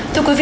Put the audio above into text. thưa quý vị